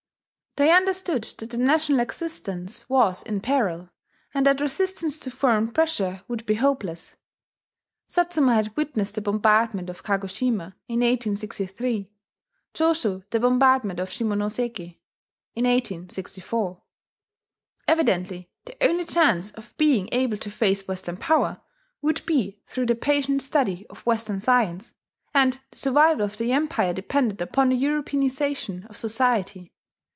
They understood that the national existence was in peril, and that resistance to foreign pressure would be hopeless. Satsuma had witnessed the bombardment of Kagoshima in 1863; Choshu, the bombardment of Shimonoseki in 1864. Evidently the only chance of being able to face Western power would be through the patient study of Western science; and the survival of the Empire depended upon the Europeanization of society.